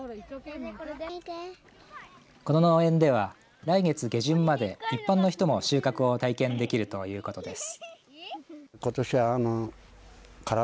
この農園では来月下旬まで一般の人も収穫を体験できるということです。